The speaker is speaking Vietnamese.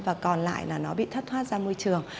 và còn lại là nó bị thất thoát ra môi trường